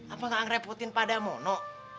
apa gak ngerepotin padamu no